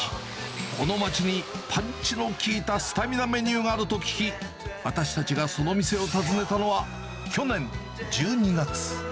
この街にパンチの効いたスタミナメニューがあると聞き、私たちがその店を訪ねたのは、去年１２月。